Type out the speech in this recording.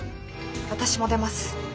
私も出ます。